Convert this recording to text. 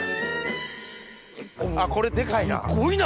あっこれデカいな。